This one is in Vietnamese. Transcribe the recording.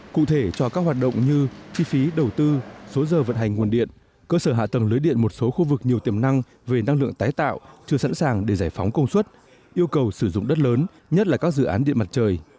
cụ thể cho các hoạt động như chi phí đầu tư số giờ vận hành nguồn điện cơ sở hạ tầng lưới điện một số khu vực nhiều tiềm năng về năng lượng tái tạo chưa sẵn sàng để giải phóng công suất yêu cầu sử dụng đất lớn nhất là các dự án điện mặt trời